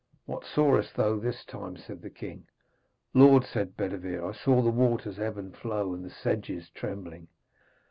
'What sawest thou this time?' said the king. 'Lord,' said Bedevere, 'I saw the waters ebb and flow and the sedges trembling.'